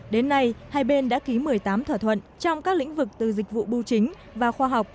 đến nay hai bên đã ký một mươi tám thỏa thuận trong các lĩnh vực từ dịch vụ bưu chính và khoa học